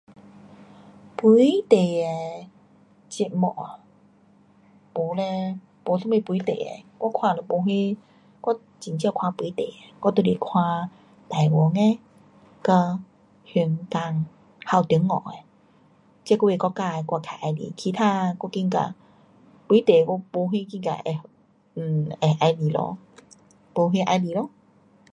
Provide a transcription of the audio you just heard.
本地的节目哦，没嘞，没什么本地的，我看都没什，我很少看本地的，我都是看台湾的，跟香港还有中国的，这几个国家的我较喜欢，其他我觉得，本地我没什觉得会喜欢咯，没什喜欢咯。